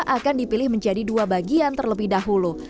akan dipilih menjadi dua bagian terlebih dahulu